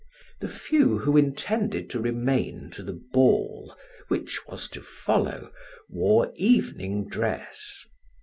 The few who intended to remain to the ball which was to follow wore evening dress.